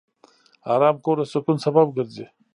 آرام کور د سکون سبب ګرځي.